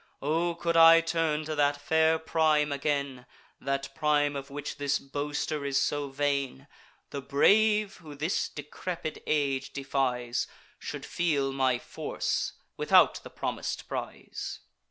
O could I turn to that fair prime again, That prime of which this boaster is so vain, The brave, who this decrepid age defies, Should feel my force, without the promis'd prize."